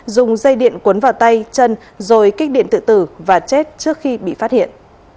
dùng dây điện cuốn vào tay chân rồi kích điện tự tử và chết trước khi bị phát hiện